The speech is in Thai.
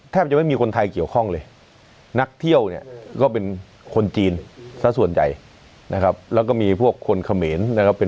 แทบจะไม่มีคนไทยเกี่ยวข้องเลยนักเที่ยวเนี่ยก็เป็นคนจีนซะส่วนใหญ่